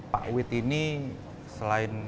pak wit ini selain